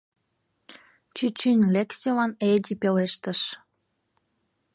Чӱчӱн Лексилан Ээди пелештыш: